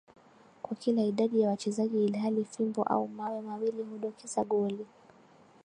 kwa kila idadi ya wachezaji ilhali fimbo au mawe mawili hudokeza goli